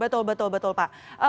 betul betul betul pak